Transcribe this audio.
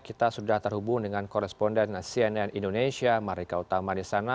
kita sudah terhubung dengan koresponden cnn indonesia marika utama di sana